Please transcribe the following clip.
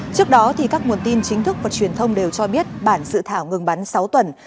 trước đó các nguồn tin chính thức và truyền thông đều cho biết bản dự thảo ngừng bắn sáu tuần